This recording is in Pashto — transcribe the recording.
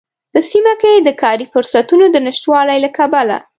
په سيمه کې د کاری فرصوتونو د نشتوالي له کبله